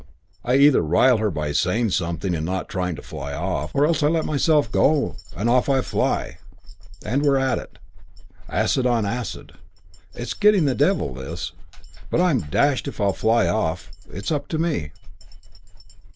I either rile her by saying something in trying not to fly off, or else I let myself go, and off I fly, and we're at it. Acid on acid. It's getting the devil, this. But I'm dashed if I'll fly off. It's up to me."